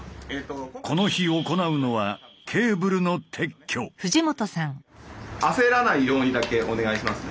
この日行うのは焦らないようにだけお願いしますね。